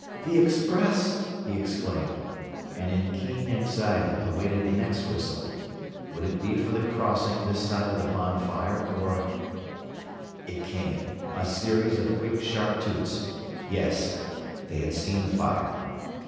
"The Express," he exclaimed, and in keen anxiety awaited the next whistle. Would it be for the crossing this side of the bonfire, or It came, a series of quick, sharp toots. Yes; they had seen the fire!